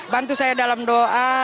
bantu saya dalam doa